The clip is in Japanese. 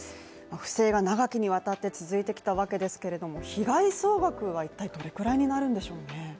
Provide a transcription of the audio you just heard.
不正が長きにわたって続いてきたわけですけれども被害総額は一体どれくらいになるんでしょうね